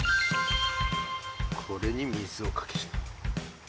これに水をかける。